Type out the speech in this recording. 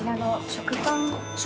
食パン。